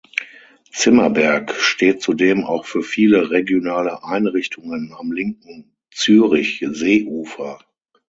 Zimmerberg steht zudem auch für viele regionale Einrichtungen am linken Zürichseeufer.